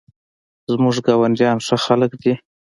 زموږ ګاونډیان ښه خلک دي